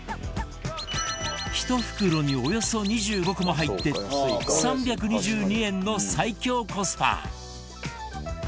１袋におよそ２５個も入って３２２円の最強コスパ！